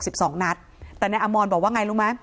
ใส่เยอะแต่แนวอมรแบบว่ายังไงรู้หรือไหม